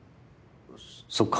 そっか。